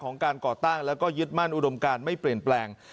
ของการก่อตั้งแล้วก็ยึดมั่นอุดมการไม่เปลี่ยนแปลง